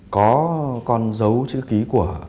có con dấu chữ ký của